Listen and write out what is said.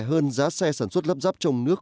hơn giá xe sản xuất lắp ráp trong nước